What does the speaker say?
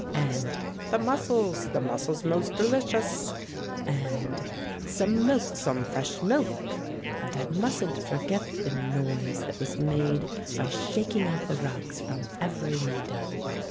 And "The mussels ! the mussels most delicious !" And "Some milk — some fresh milk?" And I mustn't forget the noise that was made by shaking out the rugs from every window.